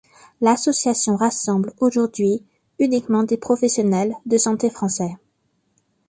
L'association rassemble aujourd'hui uniquement des professionnels de santé français.